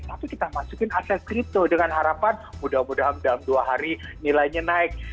tapi kita masukin aset kripto dengan harapan mudah mudahan dalam dua hari nilainya naik